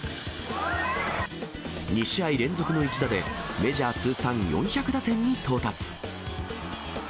２試合連続の一打で、メジャー通算４００打点に到達。